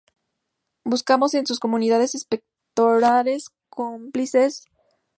Buscamos en esas comunidades espectadores-cómplices pero sobre todo, la formación de participantes activos.